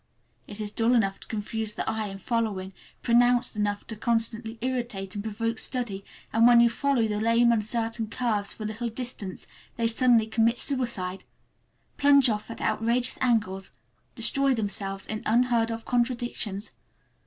It is dull enough to confuse the eye in following, pronounced enough to constantly irritate, and provoke study, and when you follow the lame, uncertain curves for a little distance they suddenly commit suicide—plunge off at outrageous angles, destroy themselves in unheard of contradictions.